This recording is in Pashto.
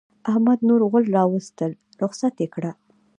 احمد نور غول راوستل؛ رخصت يې کړه.